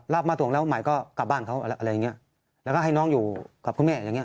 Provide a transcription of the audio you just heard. มาถวงแล้วหมายก็กลับบ้านเขาอะไรอย่างเงี้ยแล้วก็ให้น้องอยู่กับคุณแม่อย่างเง